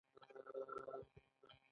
دساتیر عاجل هدایت ته ویل کیږي.